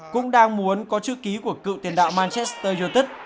cũng đang muốn có chữ ký của cựu tiền đạo manchester united